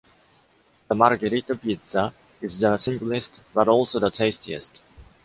The margherita pizza is the simplest, but also the tastiest.